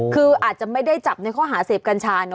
คืออาจจะไม่ได้จับในข้อหาเสพกัญชาเนอ